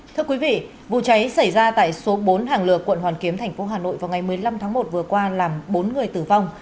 thưa quý vị vụ cháy xảy ra tại số bốn hàng lược quận hoàn kiếm thành phố hà nội vào ngày một mươi năm tháng một vừa qua làm bốn người tử vong